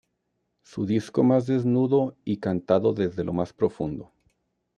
Su disco más desnudo y cantado desde lo más profundo.